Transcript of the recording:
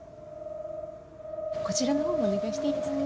こちらの方もお願いしていいですか？